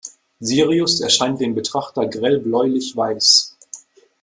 Sirius erscheint dem Betrachter grell bläulichweiß.